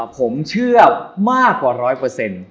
ผมเชื่อมากกว่าร้อยเปอร์เซ็นต์